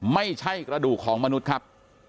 ไม่ใช่กระดูกของมนุษย์ครับ